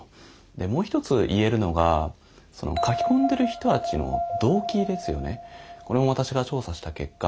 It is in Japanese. もう一つ言えるのが書き込んでる人たちの動機ですよね。